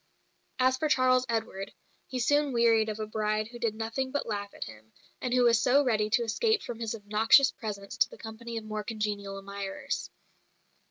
As for Charles Edward, he soon wearied of a bride who did nothing but laugh at him, and who was so ready to escape from his obnoxious presence to the company of more congenial admirers.